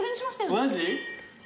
マジ。